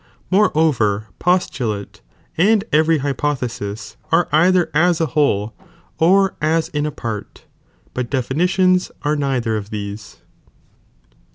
More over postulate and every hypothesis are either as a whole or as in a part, but definitions are neither of these.'